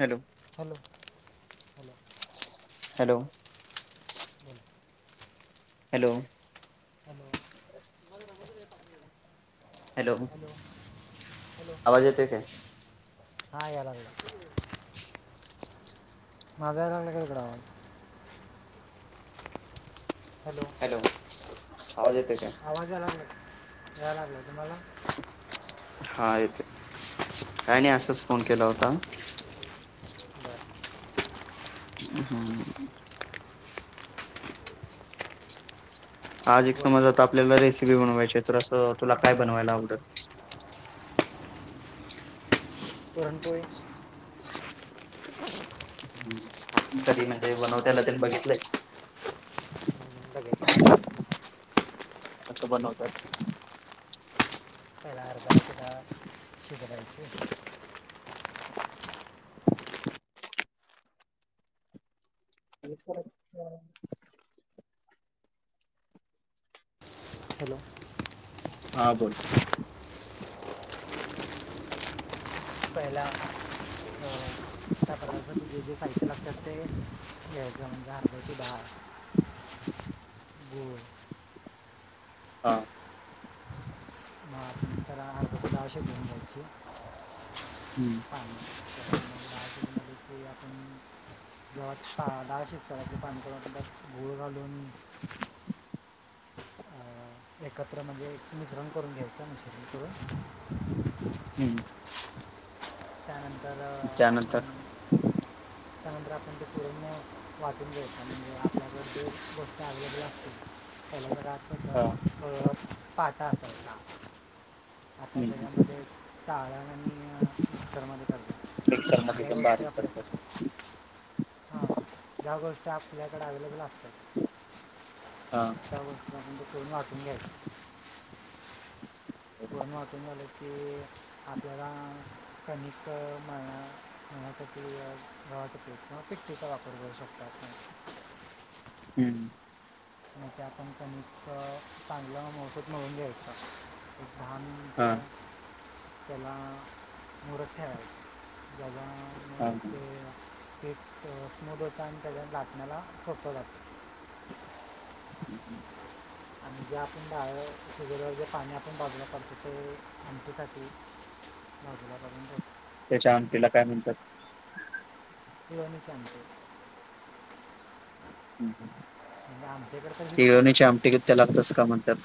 Hello hello hello बोला hello hello hello hello hello आवाज येतोय काय? हा... याय लागला माझा.. यायला लागलाय काय इकडं आवाज? हॅलो हॅलो... आवाज येतोय का? आवाज याय लागला काय? याय लागला... तुम्हाला? हा येतोय... काय नई... असाच फोन केला होता बरं हूं हूं आज एक बोला समज आता... आपल्याला रेसिपी बनवायचीए... तर असं... तुला काय बनवायला आवडल? पुरणपोळी हम्म... कधी म्हणजे.. बनवत्याला... ते बघितलयस? बघितलंय. कसं बनवतात? पहिलं हरबऱ्याची डाळ शिजवायची [unintelligible] हॅलो हा बोल पहिला त्या पता त जे साहित्य लागतते याचं म्हणजे हरगती ळ गूळ हा म राॅशस घंदची हम्म जना आप आपण जेव्हाात शळाा शिस्तराच्या पानकुरात घूळ घलून अ, एकत्र म्हणजे एकमच रंग करून घ्यायचा निसर्गड हं त्यानंतर आपण त्यानंतर त्यानंतर आपण ते पुूर्ण वाचून घेयत म्हणजे आपल्याकड जे गोष्टी अवहेलेबल असतील त्याला तर हा रातस हळ पाता असत आता हम्म सगळ्यामध्ये चाळ आणि सर्माने मिक्सर करज मध्ये ज्या पण गोष्ट आहे बारीक आपल्या करतात हा ज्या गोष्टी आपल्याकडे अवेलेबल असतात हां त्या वस्तू त्यांमच्या फणीून वाटून घ्यायात थोडं महातवून झालं की आपल्याला कनिक म्हण ण्या गवा प्रयत्न पिकतेचा वापर करू शकतात आप हं मग त्या आपण कमीच चांगलं महसूद मिळून घ्यायचचा लान हा आ तेला मुरत ठेरा जला हां हां पीठ स्मूद होता आणि त्याच्या लाट मला सोपं जाता हं हं आणि जे आपण डाळ शिजवलंवर जे पाणी आपण बजलं पडतं ते हमटीसाठी घपून ब त्याच्या अमीला काय म्हणतात ही वाली चांगलीये. म्हणजे आमच्या इकडे तर ही हीच पद्धत यांनीच्या आहे आमटिकेत त्या लागत अस का म्हणतात?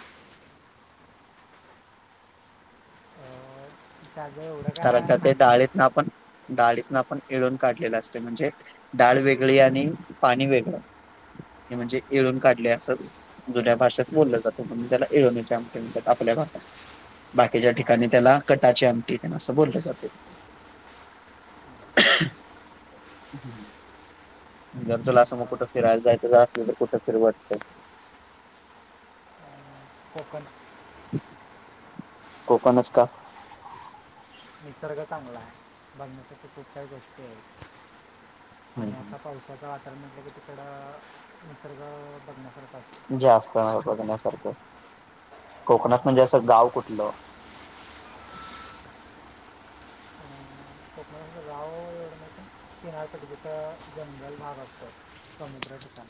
अं, त्याचं एवढं कारण काय का ते माहीत डाळीतन नाही आपण डाळीतन आपण येळून काढलेलं असते म्हणजे डाळ वेगळी आणि पण पाणी वेगळं. हे हां म्हणजे येळून काढले असं जुन्या भाषेत बोललं जातं म्हणज त्याला एळनीच्या आमटनर आपल्या भागात बाकीच्या हां ठिकाणी त्याला कटाचे ठीक आहे ना असं बोलले जात जर तुला अस मग कुठं फिरायला जायचं असलं तर कुठं फिरवतं अं, कोकण कोकणच का? निसर्ग चांगला आहे बघण्यासाठी खूप काही गोष्टी आहेत. आणि आता पावसाचं वातावरण म्हटलं की तिकड निसर्ग बघण्यासारखा असत जास्त नाही बघण्यासारखं कोकणात म्हणजे असं गाव कुठलं गावावर येवढ नसत किनारपटी जिथं जंगल भाग असतो. समुद्र ठिकाण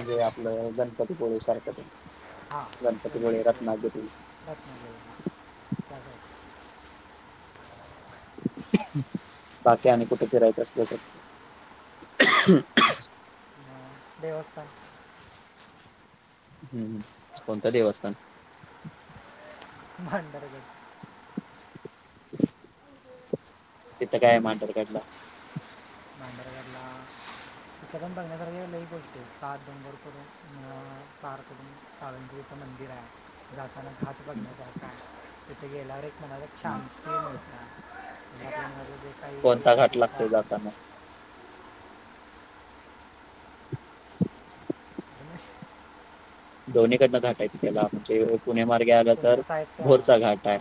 अशा ठिकाणी आपलं गणपतीपुळे सारखंते. हां गणपती पुळे. [unintelligible] बाकी आणि कुठे फिरायचं असल तर? साईड देवस्थान. हम्म कोणतं देवस्थान? भांडरगट. [inaudible] तिथं काय मांडोली काटला. मांंदरगडला. इथ पण बघण्यासारख्या लई गोष्टी येत आठडोंबर करून अ कार करडून. पावन जिथ मंदिर आहे. जाताना घाट हम्म, बघण्यासारखा आहे तिथे गेल्यावर एक म्हणालं हम्म. छम ते भम कोणता देखायया घाट दका. लागतोय [unintelligible] जाताना दोन्हीकडनं घाट आहेत त्याला म्हणजे पुणे मार्गे आलं तर पुण्याचा एक भोरचा घाट आहे.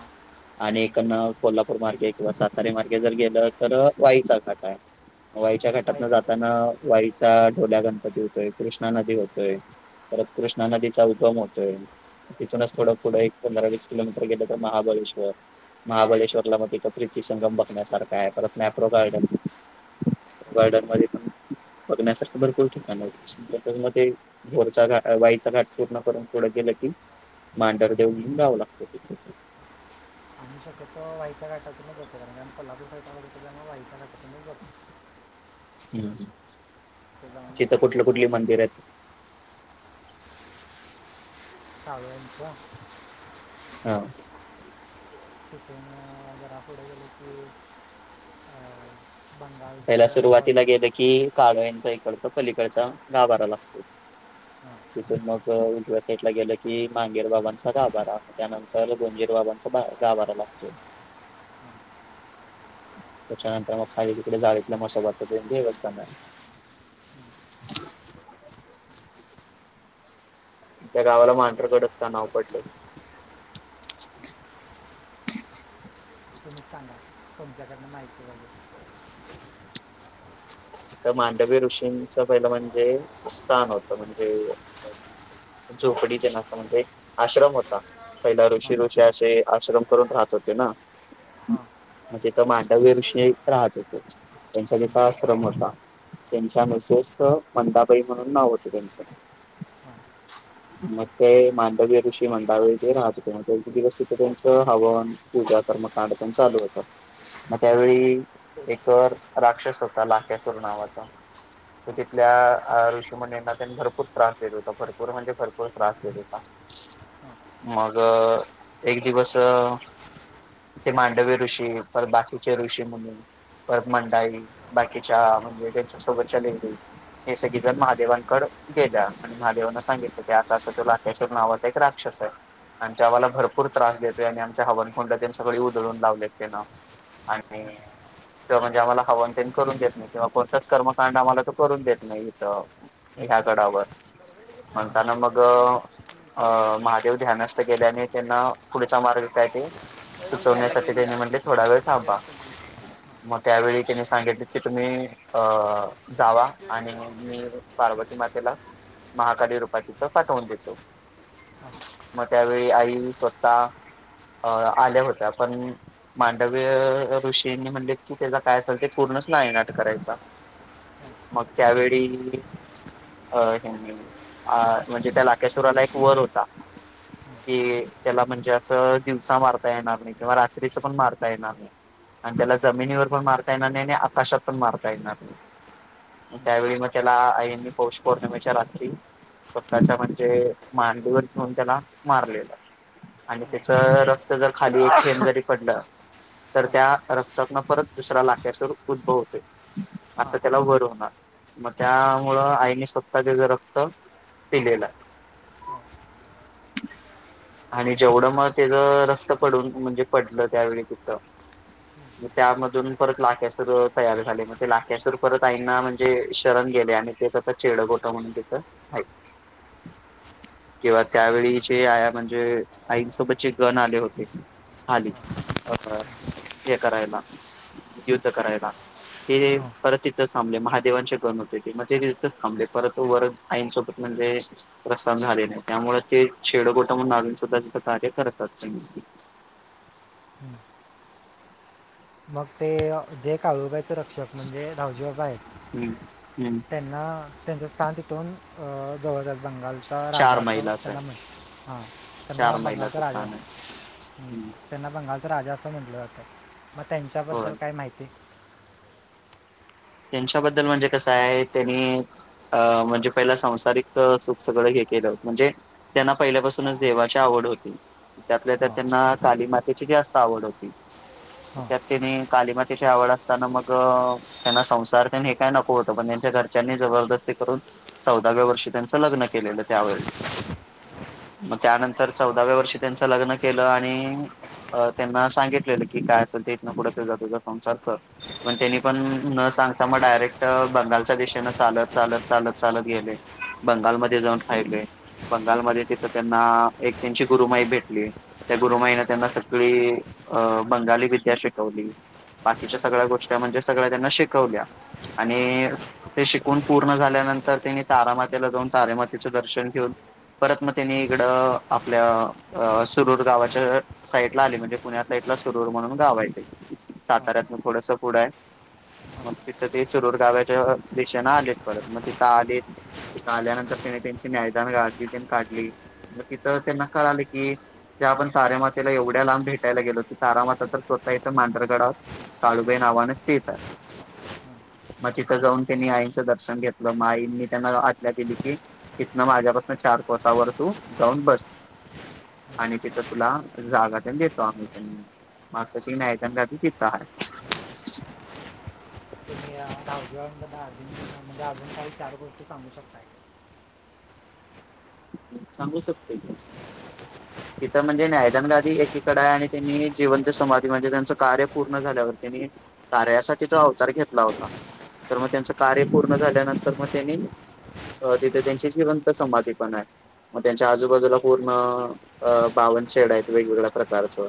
आणि इकडन कोल्हापूर मार्गे किंवा सातारारी मार्गे जर गेलं तर वाईचा घाठ आहे. वाईच्या वाई घटातन घाट जाताना वाईचा ढोल्या गणपती होतोय कृष्णा नदी होतोय. परत कृष्णा नदीचा उगम होतोय. तिथूनच थोडं पुढं एक पंधरा वीस किलोमीटर गेलं तर महाबळेश्वर. महाबळेश्वरला म तिथं प्रीर्ती संंगम बघण्यासारखा आहे. परत मॅप्रो गार्डन मॅप्रो हम्म. गार्डन मध्ये पण बघण्यासारख भरपूर ठिकाण मते भोरचा घा वाईचा घाट पूर्ण करून पुडं गेलं की मांढर देव येऊन गावं लागत. पण शक्यतो वाईच्या घाटातूनच जाते कारण कुलाबी साेत त्यामुळे वाईच्या गटातूनच जातो. हम् तिथे जाऊन तिथं कुठलं एक कुठली मनाला मंदिर येत? कावळ्यांचा? हा. तिथून घरापुढे गेलकी अ बंगाल पहिला चा सुरुवातीला पाहिजे. गेलं की काळयांचा इकडचा पलीकडचा गाभरा लागतो. हम. तिथून मग उवव्या साईटला गेलं की मांगेर बाबांचा गाभारा त्यानंतर गोंजीर बाबांचा गाबारा लागतोय त्याच्यानंतर मग खाली जावीतल्या म्हसोबाच देव देवस्थाने. त्या गावाला म्हणजे मांडरकडेच का नाव पडल? तुम्ही सांगा तुमच्याकडनं माहिती हवीये. तर मांडवी ऋषींच पहिलं म्हणजे स्थान होतं म्हणजे झोपडीचे नाचा म्हणजे आश्रम होता. पहिला हां ऋषी ऋषी असे आश्रम करून राहत होते ना. हां तिथ मांडवी ऋषी राहत हो तो हं, त्यांच्या का. त्यांच्या हं, मिसेस मंदाबाई म्हणून नाव होते त्यांच [unintelligible] मग ते मांडवीय ऋषी म्हणताव ते राहत ते दिवस तिथं त्यांचं हवन पूजा कर्मकांड पण चालू होतं मग हां त्यावेळी एक राक्षस हो [inaudible] नावाचा त हां तिथल्या ऋषी मुनींना त्यांनी भरपूर त्रास देत होता भरपूर म्हणजे भरपूर त्रास देत होता. मग एक दिवस ते मांडवी ऋषी परत बाकीचे ऋषी मुनी परत मंडाई. बाकीच्या म्हणजे त्यांच्या सोबतच्या लेडीज हे सगळे जण महादेवांकड गेल्या. महादेवांना सांगितलं की आता असं तो लाकेश्वर नावाचा एक राक्षस आहे. आणि तो आम्हाला हां भरपूर त्रास देतोय आणि आमच्या हवन कुंड तेन सगळी उधळून लावलेत त्यांन आणि ते म्हणजे आम्हाला हव करून देत नाही किंवा कोणताच कर्मकांड आम्हाला तर करून देत नाही इथं ह्या गडावर. म्हणताना मग. अ महादेव ध्यानस्थ केेल्याने त्यांना पुढचा मार्ग काय ते हां घ्यायला सुचवण्यासाठी घेऊन त्यानी गेला म्हटले, पंचवीस थोडा वेळ थांबा मग त्यावेळीस त्यानी सांगितले की, तुम्ही अ जावा आणि मी पार्वती मातेला महाकाली रूपात तिथं पाठवून देतो. म त्यावेळी आई स्वतः अ आल्या होत्या, पण मांडवी अ ऋषींनी म्हणले की, त्याचा काय संकेत? पूर्णच नाय नाट करायचा, मग त्यावेळी अ आ म्हणजे त्या लाकेश्वराला एक वर होता. कि, त्याला म्हणजे असं दिवसा मारता येणार नाही किंवा रात्रीच पण मारता येणार नाही. आणि त्याला जमिनीवर पण मारता येणार नाही आणि आकाशात पण मारता येणार. त्यावेळी म त्याला आईंनी पौष पौर्णिमेच्या रात्री स्वतःच्या म्हणजे मांडीवर घेऊन त्याला मारलेला. आणि त्याच र रक्त जर खाली एक थेंब जरी पडलं, तर त्या रक्तातन परत दुसरा लाकेश्वर उदभवतोय असं त्याला वर होणार. मग त्यामुळं आईने स्वतः त्याच रक्त पिलेल. आणि जेवढं मग त्याच रक्त पडून म्हणजे पडलं त्यावेळी तिथं. त्यामधून परत लाकेश्वर तयार झाले, मग ते लाकेश्वर परत आईंना म्हणजे शरण गेले आणि ते चीडोगोटा म्हणून तिथ किंवा त्यावेळी जे आया म्हणजे म्हणजे आईसोबतचे गण आले होते. आधी हा. हे करायला, युद्ध करायला हे परत ती थच थांबले. महादेवांचे गण होते ते, मग ते तिथंच थांबले परत वर आईं सोबत म्हणजे प्रस्थान झालेले आहे त्यामुळे ते छेडकोट म्हणून सुद्धा तिथं कार्य करतात. [inaudible] मग ते जे काळूबाईच रक्षक. म्हणजे धाऊजी बाबा आहेत हम्म हम्म त्यांना. त्यांचं स्थान तिथून जवळ झालं. बंगालचा राजा चार असं मैलाच आहे त्यांना म्हटल, हां त्यांना चार मैलाच बंगालचा राजा स्थान हं. [inaudible] त्यांना बंगालचा राजा असं म्हटलं जातं. मग होय त्यांच्याबद्दल काय माहिती,? त्यांच्याबद्दल म्हणजे कसं हाय म्हणजे त्यांनी. अ म्हणजे पहिला संसारिक सुख सगळं हे केलं म्हणजे. त्यांना पहिल्यापासूनच देवाची आवड होती. त्यातल्या हां त्यात घरी काली मातेची जास्त आवड होती. हां त्यात तिने कालीमातेची आवड असताना मग, त्यांना संसार तेन हे काय नको होतं, पण त्यांच्या घरच्यांनी जबरदस्ती करून चौदाव्या वर्षी त्यांचं लग्न केलेलं त्यावेळी. मग त्यानंतर चौदाव्या वर्षी त्यांचं लग्न केलं आणि अ त्यांना सांगितलेलं की, काय असेल ते इथ न पुढं तुझा तुझा संसार कर त्यांनी पण न सांगता मग डायरेक्ट बंगालच्या दिशेनं चालत चालत चालत चालत गेले. बंगालमध्ये जाऊन रााहिले. बंगालमध्ये तिथं त्यांना एक त्यांची गुरुमाई भेटली. त्या गुरुमाईने त्यांना सगळी अ बंगाली विद्या शिकवली. बाकीच्या सगळ्या गोष्टी म्हणजे सगळ्या त्यांना शिकवल्या आणि ते शिकवून पूर्ण झाल्यानंतर त्यांनी तारामातेला जाऊन तारेमातेचं दर्शन घेऊन परत मग त्यांनी इकडं आपल्या अ सुरूर गावाच्या साईटला आले म्हणजे पुण्या साईटला सुरूर म्हणून गाव हाय त्यांचं. हां साताऱ्यात न थोडस पुढं हाय. मग तिथं ते सुरूर गावाच्या दिशेनें आलेत परत, मग तिथं आलेत. तिथं आल्यानंतर त्यानी त्यांची न्यायदान गादी, तेन काढली म तिथं त्यांना कळाले की, ज्या आपण तारेमातेला एवढ्या लांब भेटायला गेलो, ती तारामाता तर स्वतः इथ मांडरगडावर काळुबाई नावाण स्थित हाय. मग तिथं जाऊन त्यांनी आईंचं दर्शन घेतलं मग आईंनी त्यांना आज्ञा दिली की, इथन माझ्यापासन चार कोसांवर जाऊन बस आणि तिथं तुला जागा तेन देतो आम्ही त्यां मकाची नायगंगा भी तिथे आहे [inaudible] दुन [unintelligible] अजून म्हणजे अजून काही चार गोष्टी सांगू शकताय. का? सांगू शकतोय की तिथं म्हणजे न्यायदान गादी एकीकडे आहे आणि त्यांनी जिवंत समाधी म्हणजे त्यांचं कार्य पूर्ण झाल्यावर त्यांनी कार्यासाठी तो अवतार घेतला होता तर मग त्यांचं कार्य पूर्ण झाल्यानंतर मग त्यांनी तिथे त्यांची जिवंत समाधी पण आहे मग त्यांच्या आजूबाजूला पूर्ण अ बावन शेड आहेत वेगवेगळ्या प्रकारच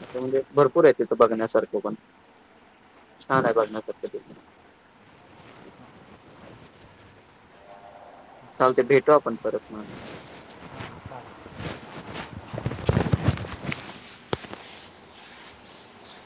आता म्हणजे भरपूर आहे तिथं बघण्यासारखं पण छान आहे बघण्यासारखं तिथे चालतय भेटू आपलं परत मग हां, चालेल